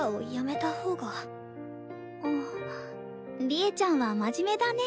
利恵ちゃんは真面目だね。